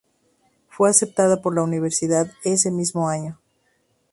Fue aceptada por la universidad ese mismo año.